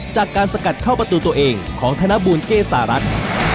จากการสกัดเข้าประตูตัวเองของธนบูลเกษารัฐ